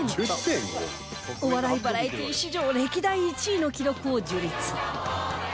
お笑いバラエティ史上歴代１位の記録を樹立